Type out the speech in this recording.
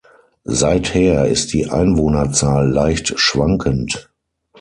Seither ist die Einwohnerzahl leicht schwankend.